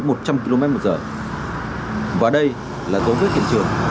là tố vết hiện trường của một tên tai nạn